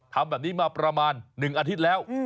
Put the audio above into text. ทำแบบนี้มาประมาณ๑อาทิตย์แล้ว